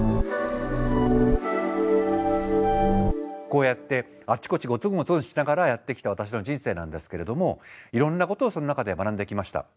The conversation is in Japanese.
こうやってあちこちゴツンゴツンしながらやってきた私の人生なんですけれどもいろんなことをその中で学んできました。